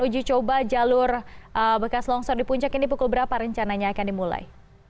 uji coba jalur bekas longsor di puncak ini pukul berapa rencananya akan dimulai